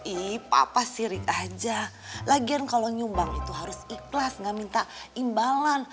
ih papa sirik aja lagian kalau nyumbang itu harus ikhlas gak minta imbalan